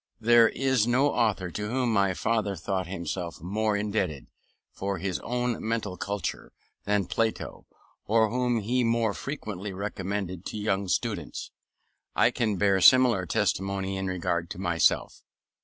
There is no author to whom my father thought himself more indebted for his own mental culture, than Plato, or whom he more frequently recommended to young students. I can bear similar testimony in regard to myself.